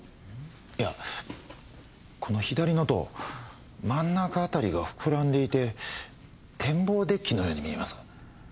いやこの左の塔真ん中辺りが膨らんでいて展望デッキのように見えます。